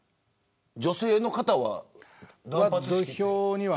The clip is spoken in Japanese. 女性の方は断髪式には。